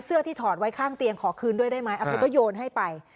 เสื้อที่ถอดไว้ข้างเตียงขอคืนด้วยเลยไหมอัพยานยนต์ให้ไป